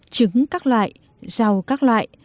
trứng các loại rau các loại